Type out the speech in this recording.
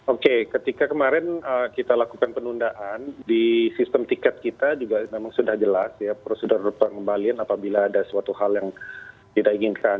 oke ketika kemarin kita lakukan penundaan di sistem tiket kita juga memang sudah jelas ya prosedur pengembalian apabila ada suatu hal yang tidak inginkan